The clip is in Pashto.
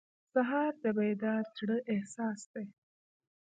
سهار د بیدار زړه احساس دی.